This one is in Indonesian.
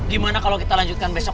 gimana kalau kita lanjutkan besok